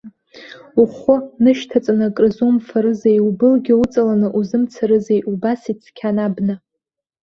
Ухәы нышьҭаҵаны акырзумфарызеи, убылгьо уҵаланы узымцарызеи убас ицқьан абна.